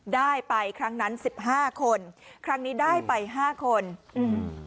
ได้ไปครั้งนั้นสิบห้าคนครั้งนี้ได้ไปห้าคนอืม